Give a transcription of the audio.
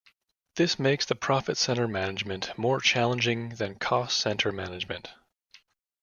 This makes the profit center management more challenging than cost center management.